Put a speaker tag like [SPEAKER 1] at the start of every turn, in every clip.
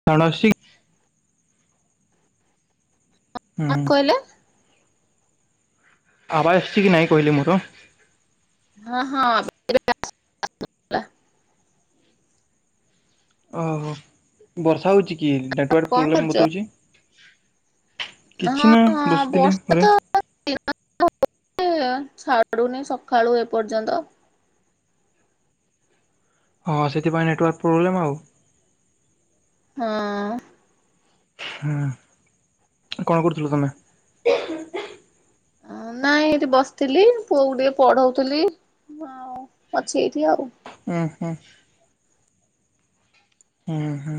[SPEAKER 1] [unintelligible]
[SPEAKER 2] କଣ କହିଲେ?
[SPEAKER 1] ଆବାଜ ଆସିଛି କି ନାହିଁ କହିଲେ ତ?
[SPEAKER 2] ହଁ ହଁ।
[SPEAKER 1] ଓହୋ ବର୍ଷା ହଉଛି? କି ନେଟୱାର୍କ
[SPEAKER 2] କଣ
[SPEAKER 1] ପ୍ରୋବ୍ଲେମ୍
[SPEAKER 2] କରୁଛ?
[SPEAKER 1] ବତେଉଛି,
[SPEAKER 2] ହଁ
[SPEAKER 1] କିଛି ନା
[SPEAKER 2] ହଁ
[SPEAKER 1] ବସିଥିଲି ଘରେ।
[SPEAKER 2] [inaudible] ଛାଡୁନି ସକାଳୁ ଏପର୍ଯ୍ୟନ୍ତ।
[SPEAKER 1] ଓହୋ ସେଥିପାଇଁ ନେଟୱାର୍କ ପ୍ରୋବ୍ଲେମ୍ ଆଉ।
[SPEAKER 2] ହଁ ହଁ।
[SPEAKER 1] ହୁଁ କଣ କରୁଥିଲ ତମେ?
[SPEAKER 2] ନାଇଁ ଏଇଠି ବସିଥିଲି ପୁଅ କି ଟିକେ ପଢଉଥିଲି। ଆଉ ଅଛି ଏଇଠି ଆଉ।
[SPEAKER 1] ହୁଁ ହୁଁ। ହୁଁ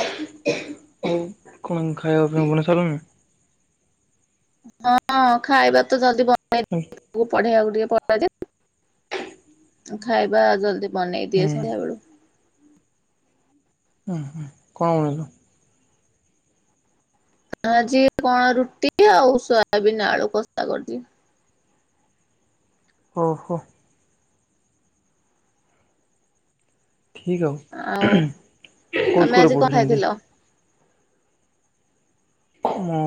[SPEAKER 1] ହୁଁ କଣ ଖାଇବା ବନେଇ [unintelligible]
[SPEAKER 2] ହଁ ଖାଇବା ତ ଜଲଦି ବେନେଇବି
[SPEAKER 1] [inaudible]
[SPEAKER 2] ପୁଅ କୁ ପଢେଇବାକୁ ଟିକେ ପଡ଼େ ଯେ ଖାଇବା ଜଲଦି ବନେଇ ଦିଏ
[SPEAKER 1] ହୁଁ
[SPEAKER 2] ସନ୍ଧ୍ୟାବେଳୁ।
[SPEAKER 1] ହୁଁ ହୁଁ କଣ ବନେଇଲ?
[SPEAKER 2] ଆଜି କଣ ରୁଟି ଆଉ ସୋୟାବିନ୍ ଆଳୁକସା କରିଛି।
[SPEAKER 1] ଓ ହୋ। ଠିକ୍ ଆଉ
[SPEAKER 2] ଆଉ
[SPEAKER 1] କୋଉ
[SPEAKER 2] ତମେ
[SPEAKER 1] ସ୍କୁଲରେ
[SPEAKER 2] ଆଜି କଣ
[SPEAKER 1] ପଢ଼ୁଛନ୍ତି?
[SPEAKER 2] ଖାଇଥିଲ?
[SPEAKER 1] ମୁଁ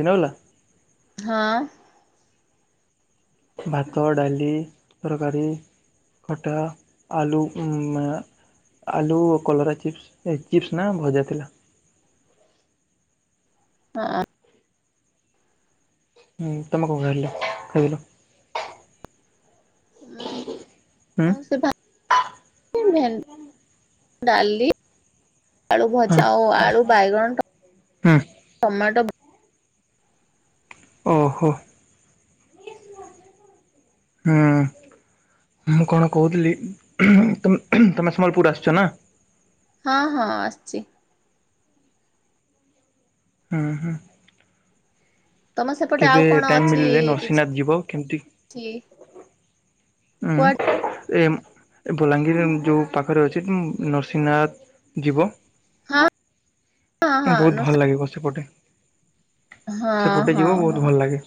[SPEAKER 1] ଦିନ ବେଲା
[SPEAKER 2] ହଁ।
[SPEAKER 1] ଭାତ ଡାଲି ତରକାରୀ। ଖଟା ଆଳୁ ହୁଁ ମା ଆଲୁ କଲରା ଚିପ୍ସ ଏ ଚିପ୍ସ ନା ଭଜା ଥିଲା।
[SPEAKER 2] ହଁ।
[SPEAKER 1] ହୁଁ ତମେ କଁ ଖାଇଥିଲ ଖାଇଥିଲ?
[SPEAKER 2] ମୁଁ
[SPEAKER 1] ହୁଁ
[SPEAKER 2] ଉଁ ସେ ଭା [unintelligible] ଡାଲି
[SPEAKER 1] ହଁ
[SPEAKER 2] ଆଳୁଭଜା ଆଉ ଆଳୁ ବାଇଗଣ ଟ
[SPEAKER 1] ହୁଁ
[SPEAKER 2] ଟମାଟୋ
[SPEAKER 1] ଓହୋ। ହୁଁ ମୁଁ କଣ କହୁଥିଲି ଉ ତମେ ତମେ ସମଲପୁର୍ ଆସିଛ ନା।
[SPEAKER 2] ହଁ ହଁ ଆସିଚି।
[SPEAKER 1] ହୁଁ ହୁଁ।
[SPEAKER 2] ତମ ସେପଟେ
[SPEAKER 1] କେବେ
[SPEAKER 2] ଆଉ କଣ
[SPEAKER 1] ଟାଇମ୍
[SPEAKER 2] ଅଛି
[SPEAKER 1] ମିଳିଲେ
[SPEAKER 2] କିଛ୍
[SPEAKER 1] ନରସିଂହନାଥ ଯିବ କେମିତି
[SPEAKER 2] ଛି।
[SPEAKER 1] ଉଁ ଏମ୍ ଏ ବଲାଙ୍ଗୀରରେ ଉଁ ଯୋଉ ପାଖରେ ଅଛି ଉଁ ନରସିଂହନାଥ୍ ଯିବ।
[SPEAKER 2] ହଁ ହଁ ହଁ
[SPEAKER 1] ବୋହୁତ
[SPEAKER 2] ନୁ
[SPEAKER 1] ଭଲ ଲାଗିବ ସେପଟେ।
[SPEAKER 2] ହଁ
[SPEAKER 1] ସେପଟେ
[SPEAKER 2] ହଁ
[SPEAKER 1] ଯିବ
[SPEAKER 2] ହଁ
[SPEAKER 1] ବୋହୁତୁ ଭଲ ଲାଗେ।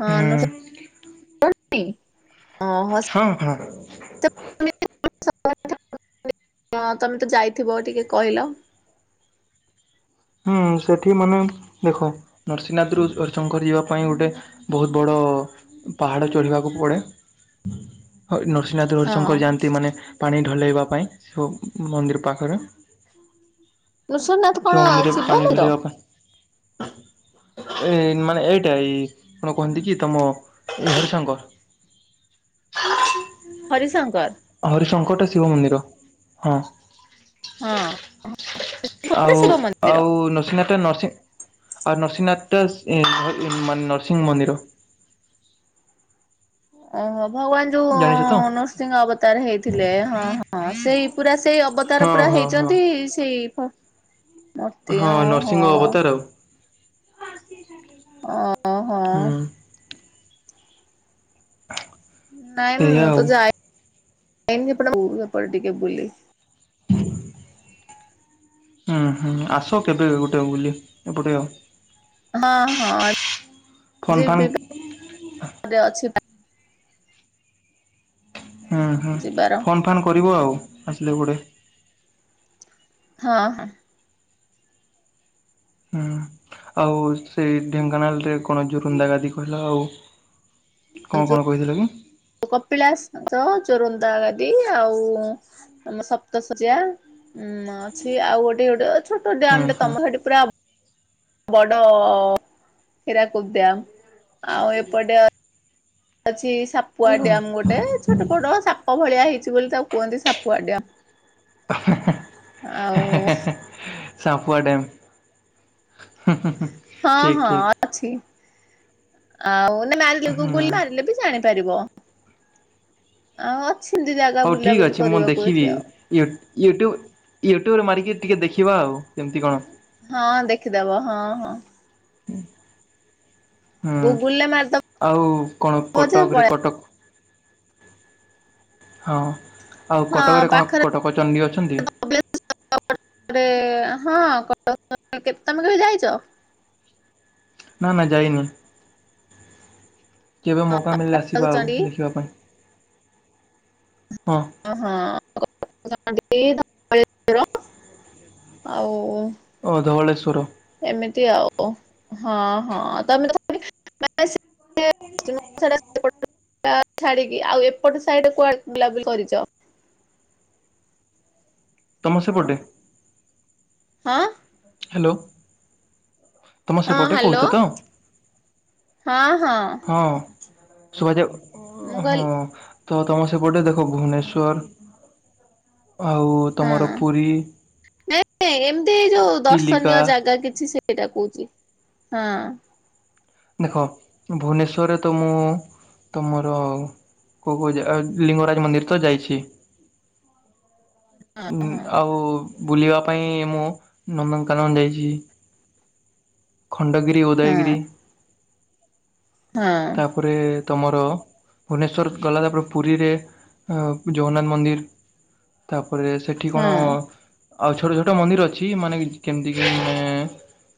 [SPEAKER 2] ହଁ ନା
[SPEAKER 1] ହୁଁ
[SPEAKER 2] ସେ [inaudible] ହଁ ହଁ ସ୍
[SPEAKER 1] ହଁ ହଁ।
[SPEAKER 2] [inaudible] ତମେ ତ ଯାଇଥିବ ଟିକେ କହିଲ।
[SPEAKER 1] ହୁଁ ସେଠି ମାନେ ଦେଖ ନୃସିଂନାତରୁ ହରିଶଙ୍କର ଯିବା ପାଇଁ ଗୋଟେ ବୋହୁତ ବଡ ପାହାଡ ଚଢିବାକୁ ପଡେ ହ ନୃସ୍ ସିଂନାଥରୁ
[SPEAKER 2] ହଁ
[SPEAKER 1] ହରିଶଙ୍କର ଯାଆନ୍ତି ମାନେ ପାଣି ଢଲେଇବା ପାଇଁ ସବୁ ଉଁ ମନ୍ଦିର ପାଖରେ
[SPEAKER 2] ନୃସିଂହନାଥ କଣ
[SPEAKER 1] ମନ୍ଦିରରେ
[SPEAKER 2] ଶିବ
[SPEAKER 1] ପାନି
[SPEAKER 2] ମନ୍ଦିର
[SPEAKER 1] ଢଲେଇବା ପାଇଁ। ଏଅ ଡମାନେ ଏଇଟା ଏଇ କଣ କୁହନ୍ତି କି ତମ ଏଇ ହରିଶଙ୍କର।
[SPEAKER 2] ହରିଶଙ୍କର।
[SPEAKER 1] ହରିଶଙ୍କରଟା ଶିବ ମନ୍ଦିର ହଁ।
[SPEAKER 2] ହଁ
[SPEAKER 1] ଆଉ
[SPEAKER 2] [inaudible] ଶିବ ମ
[SPEAKER 1] ଆଉ ନରସିଂହନାଥଟା ନରସିଂ ଆଉ ନରସିଂହନାଥଟା ସ୍ ଇଁ [unintelligible] ମାନେ ନରସିଂହ ମନ୍ଦିର।
[SPEAKER 2] ଓହୋ ଭଗବାନ୍
[SPEAKER 1] ଜାଣିଛ ତ?
[SPEAKER 2] ହଁ ନୃସିଂହ ଅବତାର ହେଇଥିଲେ ହଁ ହଁ ସେଇ ପୁରା ସେଇ ଅବତାର ପୁରା ହେଇଛନ୍ତି ସେଇ ଫ
[SPEAKER 1] ହ ହଁ ନରସିଂହ ଅବତାର ଆଉ
[SPEAKER 2] ଓହୋ
[SPEAKER 1] ହୁଁ। ହ
[SPEAKER 2] ନାଇଁ ମୁଁ ତ ଯାଏ ଇନି ସେପଟେ [unintelligible] ଟିକେ ବୁଲି।
[SPEAKER 1] ହଁ ହୁଁ ହୁଁ ଆସ କେବେ ଗୋଟେ ବୁଲି ଏପଟେ
[SPEAKER 2] [unintelligible] ହଁ
[SPEAKER 1] ଫୋନ୍ ଫାନ୍
[SPEAKER 2] ଯିବି ପା ରେ ଅଛି ପା।
[SPEAKER 1] ହୁଁ ହୁଁ
[SPEAKER 2] ଯିବାର
[SPEAKER 1] ଫୋନ୍ ଫାନ୍ କରିବ ଆଉ ଆସିଲେ ଏପଟେ।
[SPEAKER 2] ହଁ ହଁ।
[SPEAKER 1] ହୁଁ ଆଉ ସେଇ ଢେଙ୍କାନାଳରେ କଣ ଜୋରୁନ୍ଦା ଗାଦି କହିଲ ଆଉ କଁ କଣ କହିଥିଲ କି?
[SPEAKER 2] ଯୋଉ କପିଳାସ ହଁ ତ ଜୋରନ୍ଦା ଗାଦି ଆଉ ଉଁ ଆମ ସପ୍ତଶଯ୍ୟା। ଉଁ ଅଛି ଆଉ ଗୋଟେ ଗୋଟେ ଛୋଟ
[SPEAKER 1] ହୁଁ
[SPEAKER 2] ଡ୍ୟାମଟେ
[SPEAKER 1] ହୁଁ
[SPEAKER 2] ତମ ସେଠି ପୁରା ବଡ ହୀରାକୁଦ ଡ୍ୟାମ୍ ଆଉ ଏପଟେ ଅଛି ସାପ୍ ପୁଆ
[SPEAKER 1] ହଁ
[SPEAKER 2] ଡ୍ୟାମ୍ ଗୋଟେ ଛୋଟ ବଡ ସାପ ଭଳିଆ ହେଇଛି ବୋଲି ତାକୁ କୁହନ୍ତି ସାପୁଆ ଡ୍ୟାମ୍।
[SPEAKER 1] ଅ ହଁ ହଁ।
[SPEAKER 2] ଆଉ
[SPEAKER 1] ସାପୁଆ ଡେମ୍ ହୁଁ ହୁଁ ହୁଁ।
[SPEAKER 2] ହଁ ହଁ ଅଛି ଆଉ ନା ମାରିଲେ
[SPEAKER 1] ହୁଁ।
[SPEAKER 2] ଗୁଗୁଲ ମାରିଲେ ବି ଜାଣି ପାରିବ ଆଉ ଅଛି ଏମିତି ଜାଗା ବୁଲାବୁଲି କରିବାକୁ ଏଠି ଆଉ।
[SPEAKER 1] ୟୁଟ ୟୁଟୁବୁ ୟୁଟୁବୁ ରୁ ମାରିକି ଟିକେ ଦେଖିବା ଆଉ କେମିତି କଣ।
[SPEAKER 2] ହଁ ଦେଖିଦବ ହଁ ହଁ।
[SPEAKER 1] ହୁଁ। ହୁଁ
[SPEAKER 2] ଗୁଗୁଲରେ ମାରିଦବ
[SPEAKER 1] ଆଉ କଣ
[SPEAKER 2] ଯେ
[SPEAKER 1] କଟକରେ
[SPEAKER 2] ପଳେଇ
[SPEAKER 1] କଟକ ହଁ ଆଉ
[SPEAKER 2] ହଁ
[SPEAKER 1] କଟକରେ କଣ
[SPEAKER 2] ପାଖରେ
[SPEAKER 1] କଟକ ଚଣ୍ଡୀ ଅଛନ୍ତି?
[SPEAKER 2] [unintelligible] ତମେ କେବେ ଯାଇଛ?
[SPEAKER 1] ନା ନା ଯାଇନି। କେବେ ମଉକା ମିଳିଲେ
[SPEAKER 2] କଟକ
[SPEAKER 1] ଆସିବା ଆଉ
[SPEAKER 2] ଚଣ୍ଡୀ?
[SPEAKER 1] ଦେଖିବା ପାଇଁ ହଁ।
[SPEAKER 2] [unintelligible] ଆଉ।
[SPEAKER 1] ଓ ଧବଳେଶ୍ୱର।
[SPEAKER 2] ଏମିତି ଆଉ ହଁ ହଁ ତମେ [unintelligible] [unintelligible] ଟା ଛାଡିକି ଆଉ ଏପଟ ସାଇଟ କୁଆଡେ ବୁଲାବୁଲି କରିଛ?
[SPEAKER 1] ତମ ସେପଟେ?
[SPEAKER 2] ଆଁ?
[SPEAKER 1] ହ୍ୟାଲୋ। ତମ
[SPEAKER 2] ହଁ
[SPEAKER 1] ସେପଟେ
[SPEAKER 2] ହ୍ୟାଲୋ
[SPEAKER 1] କହୁଛ ତ
[SPEAKER 2] ହଁ ହଁ
[SPEAKER 1] ହଁ। ସୁଭାଯାଉ
[SPEAKER 2] ମୁଁ
[SPEAKER 1] ଅଁ
[SPEAKER 2] କହିଲି
[SPEAKER 1] ହଁ। ତ ତମ ସେପଟେ ଦେଖ ଭୁବନେଶ୍ୱର ଆଉ ତମର
[SPEAKER 2] ହଁ।
[SPEAKER 1] ପୁରୀ
[SPEAKER 2] ନାଇଁ ନାଇଁ ଏମିତି ଏଇ ଯୋଉ
[SPEAKER 1] ଚିଲିକା
[SPEAKER 2] ଦର୍ଶନୀୟ ଜାଗା କିଛି ସେ ସେଇଟା କହୁଛି ହଁ।
[SPEAKER 1] ଦେଖ ଭୁବନେଶ୍ୱରରେ ତ ମୁଁ ତ ମୋର କୋଉ କୋଉ ଯାଗା ଆ ଲିଙ୍ଗରାଜ୍ ମନ୍ଦିର ତ ଯାଇଛି।
[SPEAKER 2] ହଁ
[SPEAKER 1] ଉଁ
[SPEAKER 2] ହଁ
[SPEAKER 1] ଆଉ ବୁଲିବା ପାଇଁ ମୁଁ ନନ୍ଦନକାନନ ଯାଇଛି। ଖଣ୍ଡଗିରି ଉଦୟଗିରି
[SPEAKER 2] ହଁ।
[SPEAKER 1] ତାପରେ ତମର ଭୁବନେଶ୍ୱର ଗଲା ତାପରେ ପୁରୀରେ ଅଁ ଜଗନ୍ନାଥ ମନ୍ଦିର ତାପରେ ସି ସେଠି କଣ? ଆଉ ଛୋଟ ଛୋଟ ମନ୍ଦିର ଅଛି ମାନେ ଯ କେମିତି କି ମାନେ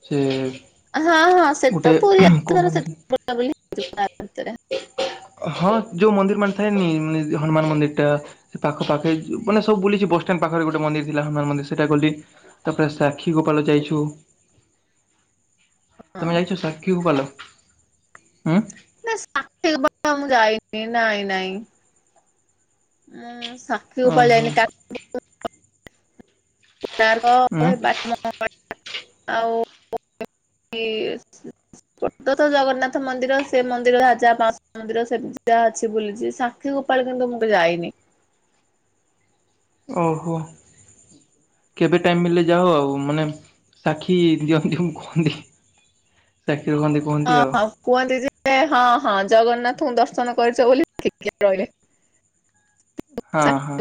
[SPEAKER 1] ସେ
[SPEAKER 2] ହଁ ହଁ ସେ ତ ପୁରୀ ଯା
[SPEAKER 1] [unintelligible]
[SPEAKER 2] ଭିତରେ
[SPEAKER 1] ହଁ ଯୋଉ ମନ୍ଦିର୍ ମାନେ ଥାଏନି ମାନେ ହନୁମାନ ମନ୍ଦିର୍ ଟା ସେ ପାଖ ପାଖେ ମାନେ ସବୁ ବୁଲିଛି ବଷ୍ଟାଣ୍ଡ ପାଖରେ ଗୋଟେ ମନ୍ଦିର୍ ଥିଲା ହନୁମାନନ୍ଦିର୍ ସେଇଟା ଗଲି। ତାପରେ ସାକ୍ଷୀ ଗୋପାଳ ଯାଇଛୁ।
[SPEAKER 2] ହଁ
[SPEAKER 1] ତମେ ଯାଇଛ ସାଖି ଗୋପାଲ ଉଁ?
[SPEAKER 2] ନା ସାଖି ଗୋପାଳ ମୁଁ ଯାଇନି ନାଇଁ ନାଇଁ। ମୁଁ ସାକ୍ଷୀ ଗୋପାଳ
[SPEAKER 1] ଓହୋ
[SPEAKER 2] ଜାଇନି କା କୋଣାର୍କ
[SPEAKER 1] ଉଁ
[SPEAKER 2] ଏ ବାଟମଙ୍ଗଳା ଆଉ [unintelligible] ପତଥ ଜଗନ୍ନାଥ ମନ୍ଦିର ସେ ମନ୍ଦିର ରାଜା ପା ମନ୍ଦିର ସେମିତି ଯାହା ଅଛି ବୁଲିଛି ସାକ୍ଷୀ ଗୋପାଳ କିନ୍ତୁ ମୁଁ ତ ଯାଇନି
[SPEAKER 1] ଓହୋ କେବେ ଟାଇମ୍ ମିଳିଲେ ଯାଅ ଆଉ ମାନେ ସାକ୍ଷୀ ଦିଅନ୍ତି ମୁ କୁହନ୍ତି ଚାକି ରଖନ୍ତି
[SPEAKER 2] ହଁ ହଁ କୁହନ୍ତି ଯେ ହଁ ହଁ ଜଗନ୍ନାଥ ଙ୍କୁ ଦର୍ଶନ କରିଛ ବୋଲି ଦେଖିକ ରହିଲେ
[SPEAKER 1] ହଁ ହଁ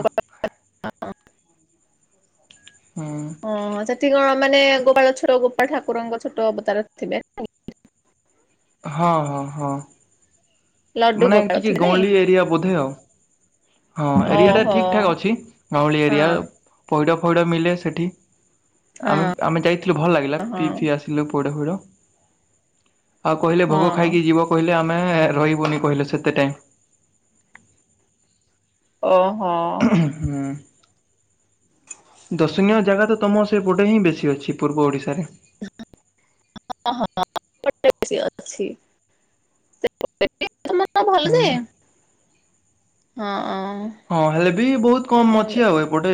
[SPEAKER 1] ହଁ
[SPEAKER 2] ଓ ହୋ ସେଠି କଣ ମାନେ ଗୋପାଳ ଛୋଟ ଗୋପଳ ଠାକୁରଙ୍କ ଛୋଟବତାର ଥିବେ
[SPEAKER 1] ହଁ ହଁ ହଁ
[SPEAKER 2] ଲଡୁ
[SPEAKER 1] ମାନେ
[SPEAKER 2] ଗୋପାଳ
[SPEAKER 1] ଟିକି
[SPEAKER 2] ଥିବେ ନାଇଁ
[SPEAKER 1] ଗଉଁଳି ଏରିଆ ବୋଧେ ଆଉ ହଁ ଏରିଆଟା
[SPEAKER 2] ଓହୋ
[SPEAKER 1] ଠିକ୍ ଠାକ୍ ଅଛି ଗାଁଉଳି
[SPEAKER 2] ହଁ
[SPEAKER 1] ଏରିଆ ପଇଡ଼ ଫଇଡ଼ ମିଲେ ସେଠି
[SPEAKER 2] ହଁ
[SPEAKER 1] ଆମେ ଆମେ ଯାଇଥିଲୁ ଭଲ ଲାଗିଲା
[SPEAKER 2] ହଁ
[SPEAKER 1] ପିଇ ଫିଇ ଆସିଲୁ ପୋଡ ଫୋଡ଼ ଆଉ କହିଲେ ଭୋଗ
[SPEAKER 2] ହଁ
[SPEAKER 1] ଖାଇକି ଯିବ କହିଲେ ଆମେ ରହିବୁନି କହିଲେ ସେତେ ଟାଇମ୍
[SPEAKER 2] ଓହୋ
[SPEAKER 1] ଉ ହୁ ଦର୍ଶନୀୟ ଜାଗା ତ ତୁମ ସେପଟେ ହିଁ ବେଶୀ ଅଛି ପୂର୍ବ ଓଡ଼ିଶାରେ
[SPEAKER 2] ହଁ ହଁ ବ [unintelligible] ଅଛି ଭଲ ଯେ
[SPEAKER 1] ହଁ।
[SPEAKER 2] ହଁ ହ
[SPEAKER 1] ହଁ ହେଲେ ବି ବହୁତ କମ୍ ଅଛି ଆଉ ଏପଟେ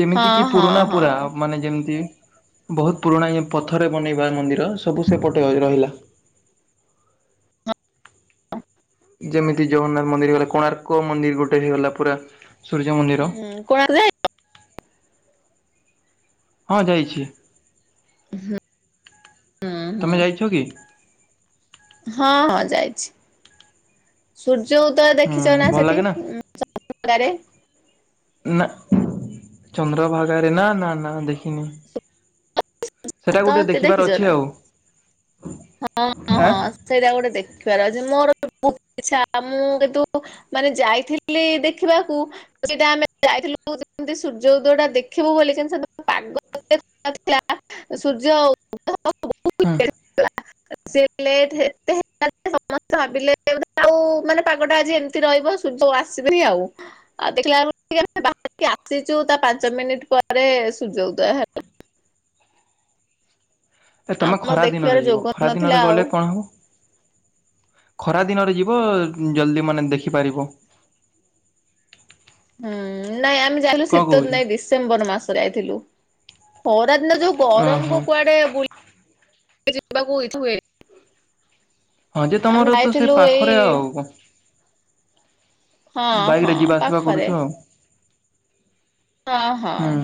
[SPEAKER 1] ଯେମିତି
[SPEAKER 2] ହଁ
[SPEAKER 1] କି
[SPEAKER 2] ହଁ
[SPEAKER 1] ପୁରୁଣା
[SPEAKER 2] ହଁ
[SPEAKER 1] ପୁରା ମାନେ ଯେମିତି ବହୁତ ପୁରୁଣା ଇଏ ପଥରେ ବନେଇବା ମନ୍ଦିର ସବୁ ସେପଟେ ରଇ ରହିଲା ଯେମିତି ଜଗନ୍ନାଥ ମନ୍ଦିର ହେଗଲା କୋଣାର୍କ ମନ୍ଦିର ଗୋଟେ ହେଇଗଲା ପୁରା ସୂର୍ଯ୍ୟ ମନ୍ଦିର
[SPEAKER 2] ହୁଁ କୋଣାର୍କ ଯାଇ
[SPEAKER 1] ହଁ ଯାଇଛି
[SPEAKER 2] ହୁଁ ହୁଁ
[SPEAKER 1] ତମେ ଯାଇଛ କି
[SPEAKER 2] ହଁ ହଁ ଯାଇଛି ସୂର୍ଯ୍ୟ ଉଦୟ
[SPEAKER 1] ହୁଁ
[SPEAKER 2] ଦେଖିଛ ନା
[SPEAKER 1] ଭଲ
[SPEAKER 2] ସେଠି
[SPEAKER 1] ଲାଗେ
[SPEAKER 2] ଚନ୍ଦ୍ରଭାଗାରେ
[SPEAKER 1] ନା ଚନ୍ଦ୍ରଭାଗାରେ ନା ନା ନା ଦେଖିନି
[SPEAKER 2] ସେ
[SPEAKER 1] ସେଇଟା ଗୋଟିଏ ଦେଖିବାର ଅଛି ଆଉ।
[SPEAKER 2] ହଁ ହଁ ହଁ
[SPEAKER 1] ଆଁ
[SPEAKER 2] ସେଇଟା ଗୋଟେ ଦେଖିବାର ଅଛି ମୋର [unintelligible] ଇଛା ମୁଁ କିନ୍ତୁ ମାନେ ଯାଇଥିଲି ଦେଖିବାକୁ ସେଇଟା ଆମେ ଯାଇଥିଲୁ ଯେମିତି ସୂର୍ଯ୍ୟ ଉଦୟଟା ଦେଖିବୁ ବୋଲି [unintelligible] [inaudible] ଥିଲା ସୂର୍ଯ୍ୟ [inaudible]
[SPEAKER 1] ହଁ
[SPEAKER 2] [unintelligible] ଭାବିଲେ ମାନେ ପାଗଟା ଆଜି ଏମିତି ରହିବ। ତ ଆସିବନି ଆଉ। ଆଉ ଦେଖିଲା [unintelligible] ଆସିଛୁ ତା ପାଞ୍ଚ ମିନିଟ ପରେ ସୂର୍ଯ୍ୟ ଉଦୟ ହେଲା।
[SPEAKER 1] ଏ ତମେ
[SPEAKER 2] ଆମର
[SPEAKER 1] ଖରା ଦିନରେ
[SPEAKER 2] ଦେଖିବାର
[SPEAKER 1] ଯିବ
[SPEAKER 2] ଯୋଗ
[SPEAKER 1] ଖରା
[SPEAKER 2] ନଥିଲା
[SPEAKER 1] ଦିନରେ
[SPEAKER 2] ଆଉ।
[SPEAKER 1] ଗଲେ କଣ ହବ। ଖରା ଦିନରେ ଯିବ ଜଲ୍ଦି ମାନେ ଦେଖିପାରିବ।
[SPEAKER 2] ହୁଁ ନାଇଁ ଆମେ ଯାଇଥିଲୁ
[SPEAKER 1] କଣ କହୁଛ?
[SPEAKER 2] ଶୀତଦିନେ ଡିସେମ୍ବର ମାସରେ ଯାଇଥିଲୁ। ଖରାଦିନ ଯୋଉ
[SPEAKER 1] ଓହୋ
[SPEAKER 2] ଗରମକୁ କୁଆଡେ [unintelligible]
[SPEAKER 1] ହଁ ଯେ
[SPEAKER 2] ଆମେ
[SPEAKER 1] ତମର ତ ସେ
[SPEAKER 2] ଯାଇଥିଲୁ ଏଇ
[SPEAKER 1] ପାଖରେ ଆଉ କ।
[SPEAKER 2] ହଁ ହଁ
[SPEAKER 1] ବାଇକିରେ ଯିବା ଆସିବା
[SPEAKER 2] ପାଖରେ
[SPEAKER 1] କରୁଛ ଆଉ।
[SPEAKER 2] ହଁ ହଁ
[SPEAKER 1] ହୁଁ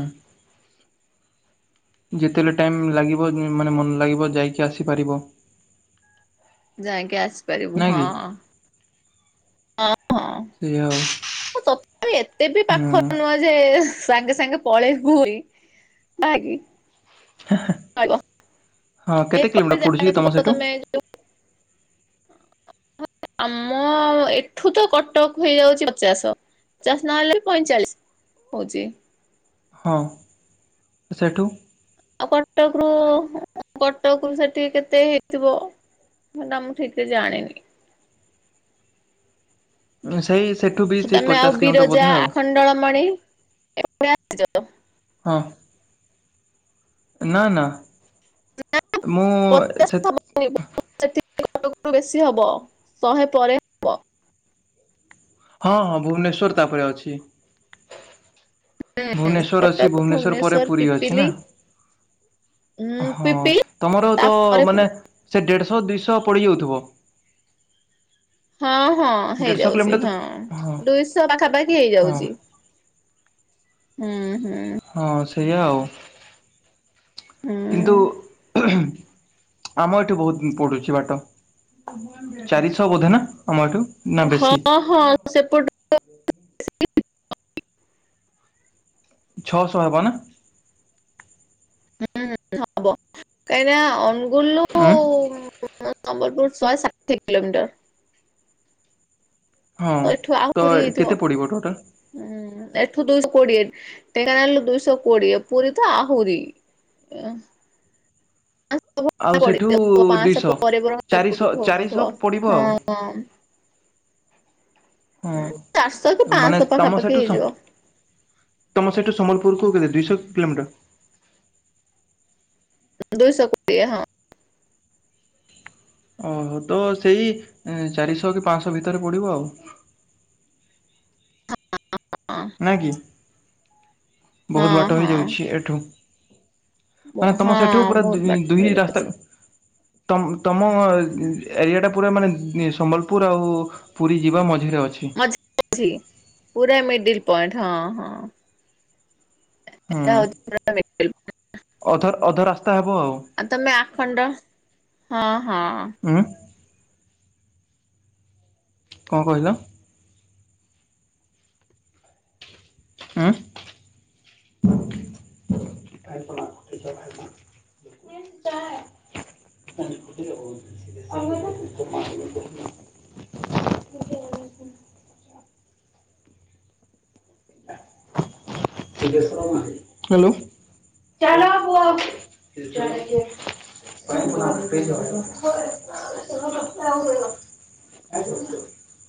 [SPEAKER 1] ଯେତେବେଲେ ଟାଇମ ଲାଗିବ ମାନେ ମନ ଲାଗିବ ଯାଇକି ଆସିପାରିବ।
[SPEAKER 2] ଯାଇକି ଆସିପାରିବୁ
[SPEAKER 1] ନାଇଁ
[SPEAKER 2] ହଁ।
[SPEAKER 1] କି?
[SPEAKER 2] ଅଁ, ହଁ,
[SPEAKER 1] ସେଇଆ ଆଉ
[SPEAKER 2] ହଁଁ ତଥାପି ଏତେ ବି
[SPEAKER 1] ହୁଁ
[SPEAKER 2] ପାଖ ନୁହଁ ଯେ ସାଙ୍ଗେ ସାଙ୍ଗେ ପଳେଇବୁ ହୋଇ ନା କି?
[SPEAKER 1] ହେଁ, ହଁ ହଁ କେତେ
[SPEAKER 2] ଏପଟେ
[SPEAKER 1] କିଲୋମିଟର ପଡ଼ୁଛି
[SPEAKER 2] ଜାଣିନଥିବ
[SPEAKER 1] ତୋମ ସେଠୁ?
[SPEAKER 2] ତମେ ଯୋଉ ଆମ ଏଠୁ ତ କଟକ କୁ ହେଇଯାଉଛି ପଚାଶ। ପଚାଶ ନ ହେଲେ ବି ପଇଁଚାଳିଶ ହଉଛି।
[SPEAKER 1] ହଁ ସେଠୁ?
[SPEAKER 2] ଆଉ କଟକରୁ କଟକରୁ ସେଠିକି କେତେ ହେଇଥିବ। ସେଟା ମୁଁ ଠିକ ସେ ଜାଣିନି।
[SPEAKER 1] ଅ, ସେଇ ସେଠୁ ବି ସେଇ
[SPEAKER 2] ତୋମେ
[SPEAKER 1] ପଚାଶ
[SPEAKER 2] ଆଉ
[SPEAKER 1] କିଲୋମିଟର
[SPEAKER 2] ବିରଜା
[SPEAKER 1] ବୋଧେ ଆଉ
[SPEAKER 2] ଆଖଣ୍ଡଳମଣି ଏଗୁଡା ଆସିଚ?
[SPEAKER 1] ହଁ ଏ ନା ନା ମୁଁ ଏ ସେ
[SPEAKER 2] [inaudible] ବେଶୀ ହବ ଶହେ ପରେ ହବ
[SPEAKER 1] ହଁ ହଁ ଭୁବନେଶ୍ୱର ତାପରେ ଅଛି। ଭୁବନେଶ୍ଵର ଅଛି
[SPEAKER 2] କଟକ
[SPEAKER 1] ଭୁବନେଶ୍ଵର ପରେ ପୁରୀ ଅଛି ନା।
[SPEAKER 2] ପିପିଲି ଉଁ
[SPEAKER 1] ହଁ
[SPEAKER 2] ପିପିଲି
[SPEAKER 1] ତୋମର ତ
[SPEAKER 2] ତାପରେ ପୁରୀ
[SPEAKER 1] ମାନେ ସେ ଦେଢଶହ ଦୁଇଶହ ପଡିଯାଉଥୁବ?
[SPEAKER 2] ହଁ ହଁ
[SPEAKER 1] ଦେଢ଼ଶହ
[SPEAKER 2] ହେଇଯାଉଚି,
[SPEAKER 1] କିଲୋମିଟର ତ
[SPEAKER 2] ହଁ ଦୁଇଶହ ପାଖାପାଖି
[SPEAKER 1] ହଁ
[SPEAKER 2] ହେଇଯାଉଚି। ହଁ, ହଁ।
[SPEAKER 1] ହଁ ସେଇଆ ଆଉ
[SPEAKER 2] ହୁଁ
[SPEAKER 1] କିନ୍ତୁ ଆମ ଏଠୁ ବହୁତ ପଡୁଛି ବାଟ, ଚାରିଶହ ବୋଧେ ନା ଆମ ଏଠୁ? ନା
[SPEAKER 2] ହଁ,
[SPEAKER 1] ବେଶୀ
[SPEAKER 2] ହଁ ସେପଟୁ
[SPEAKER 1] ଛଅଶହ ହେବ ନା?
[SPEAKER 2] ହୁଁ, ହବ କାଇନା ଅନୁଗୁଳଲୁ
[SPEAKER 1] ଆଁ,
[SPEAKER 2] କୁ ହଁ ସମ୍ବଲପୁର ଶହେ ଷାଠିଏ କିଲୋମିଟର।
[SPEAKER 1] ହଁ
[SPEAKER 2] ତ ଏଠୁ ଆହୁରି ହେଇଥିବ।
[SPEAKER 1] କେତେ ପଡ଼ିବ ଟୋଟାଲ୍
[SPEAKER 2] ଅଁ, ଏଠୁ ଦୁଇଶହ କୋଡିଏ ଢେଙ୍କାନାଳରୁ ଦୁଇଶହ କୋଡିଏ, ପୁରୀ ତ ଆହୁରି। ଏ
[SPEAKER 1] ଆଉ
[SPEAKER 2] [inaudible]
[SPEAKER 1] ସେଠୁ
[SPEAKER 2] ପଡିଯାଉଥୁବ,
[SPEAKER 1] ଦୁଇଶହ।
[SPEAKER 2] ପାଁଶହ ପରେ ବରଂ
[SPEAKER 1] ଚାରିଶହ
[SPEAKER 2] ଏପଟକୁ
[SPEAKER 1] ଚାରିଶହ
[SPEAKER 2] ହଉନଥୁବ।
[SPEAKER 1] ପଡ଼ିବ ଆଉ
[SPEAKER 2] ହଁ, ହଁ। ଚାରିଶହ କି
[SPEAKER 1] ହଁ ମାନେ
[SPEAKER 2] ପାଞ୍ଚଶହ
[SPEAKER 1] ତୋମ
[SPEAKER 2] ପାଖାପାଖି
[SPEAKER 1] ସେଠୁ ସ
[SPEAKER 2] ହେଇଯିବ
[SPEAKER 1] ତୋମ ସେଠୁ ସମ୍ବଲପୁରକୁ କେତେ ଦୁଇଶହ କିଲୋମିଟର?
[SPEAKER 2] ଦୁଇଶହ କୋଡ଼ିଏ ହଁ।
[SPEAKER 1] ଓହୋ, ତ ସେଇ ଏଁ, ଚାରିଶହ କି ପାଁଶହ ଭିତରେ ପଡିବ ଆଉ।
[SPEAKER 2] ଅ, ଆଁ।
[SPEAKER 1] ନା କି? ବହୁତ ବାଟ
[SPEAKER 2] ହଁ
[SPEAKER 1] ହେଇଯାଉଛି ଏଠୁ।
[SPEAKER 2] ହଁ
[SPEAKER 1] ମାନେ ତୋମ ସେଠୁ
[SPEAKER 2] ହଁ
[SPEAKER 1] ପୁରା
[SPEAKER 2] ବହୁତ
[SPEAKER 1] ଦୁଇ
[SPEAKER 2] ବାଟ
[SPEAKER 1] ଦୁହି
[SPEAKER 2] ହେଇଯିବ
[SPEAKER 1] ରାସ୍ତା ତୋମ ତୋମ ଏରିଆଟା ପୁରା ମାନେ ଏ ସମ୍ବଲପୁର ଆଉ ପୁରୀ ଯିବା ମଝିରେ ଅଛି।
[SPEAKER 2] ଛି ପୁରା ମିଡିଲ୍ ପଏଣ୍ଟ ହଁ, ହଁ। [inaudible]
[SPEAKER 1] ଅଧର୍ ଅଧ ରାସ୍ତା ହେବ ଆଉ।
[SPEAKER 2] ଆଉ ତୋମେ ଆଖଣ୍ଡ ହଁ, ହଁ
[SPEAKER 1] ଉଁ, କଣ କହିଲ? ହୁଁ [unintelligible] କଣ କହିଲୁ ହ୍ୟାଲୋ। [unintelligible] [unintelligible]